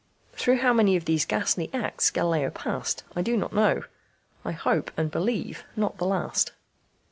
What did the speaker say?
_ Through how many of these ghastly acts Galileo passed I do not know. I hope and believe not the last.